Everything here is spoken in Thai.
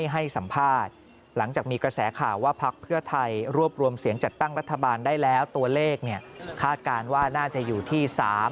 ให้สัมภาษณ์หลังจากมีกระแสข่าวว่าพักเพื่อไทยรวบรวมเสียงจัดตั้งรัฐบาลได้แล้วตัวเลขคาดการณ์ว่าน่าจะอยู่ที่๓